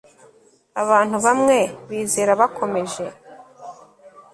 Abantu bamwe bizera bakomeje